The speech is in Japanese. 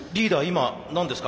今何ですか？